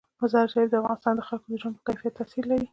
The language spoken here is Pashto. مزارشریف د افغانستان د خلکو د ژوند په کیفیت تاثیر لري.